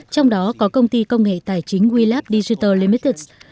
trong đó có công ty công nghệ tài chính welab digital limited